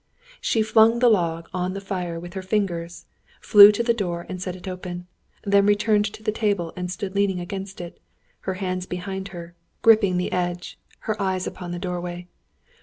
She flung the log on to the fire with her fingers, flew to the door and set it open; then returned to the table and stood leaning against it, her hands behind her, gripping the edge, her eyes upon the doorway.